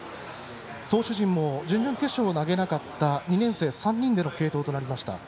投手陣も準々決勝は投げなかった２年生３人での継投となりました。